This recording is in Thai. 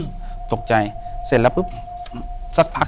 อยู่ที่แม่ศรีวิรัยิลครับ